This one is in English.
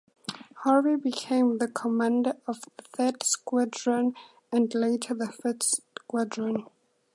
Hori became the commander of the Third Squadron and later the First Squadron.